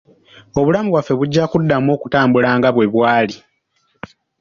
Obulamu bwaffe bujjakuddamu okutambula nga bwe bwali.